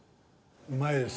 うまいです。